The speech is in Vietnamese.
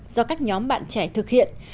do các nhóm bạn trẻ thực hiện